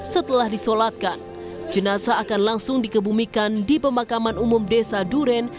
setelah disolatkan jenazah akan langsung dikebumikan di pemakaman umum desa duren